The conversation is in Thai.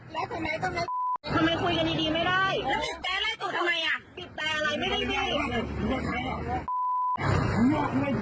แล้วตอนไหนต้องเลี้ยว